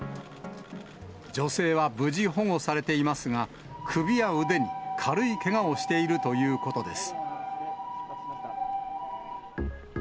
女性は無事保護されていますが、首や腕に軽いけがをしているということです。